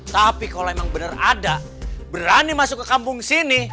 tapi kalau memang benar ada berani masuk ke kampung sini